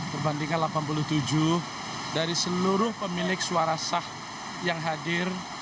perbandingan delapan puluh tujuh dari seluruh pemilik suara sah yang hadir